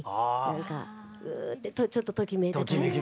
うんってちょっとときめいた感じ。